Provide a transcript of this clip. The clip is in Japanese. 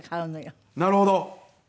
なるほど。